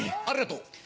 ありがとう。